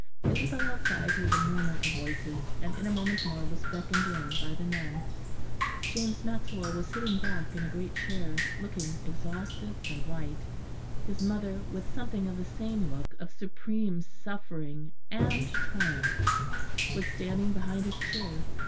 Isabel outside heard the murmur of voices, and in a moment more was beckoned in by the nun. James Maxwell was sitting back in a great chair, looking exhausted and white. His mother, with something of the same look of supreme suffering and triumph, was standing behind his chair.